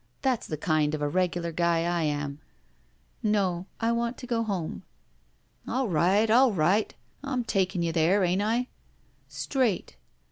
That's the kind of a regular guy I am." No. I want to go home." 'All right, all right! I'm taking you there, ain't I?" Straight."